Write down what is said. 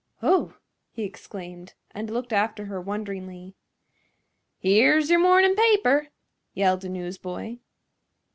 "Oh!" he exclaimed, and looked after her wonderingly. "Here's yer mornin' paper!" yelled a newsboy.